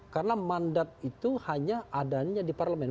karena mandat itu hanya adanya di parlement